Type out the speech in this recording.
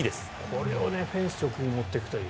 これをフェンス直撃に持っていくという。